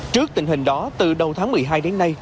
trước tình hình đó từ đầu tháng một mươi hai đến nay